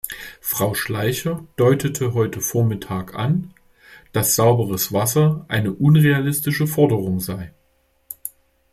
Frau Schleicher deutete heute vormittag an, dass sauberes Wasser eine unrealistische Forderung sei.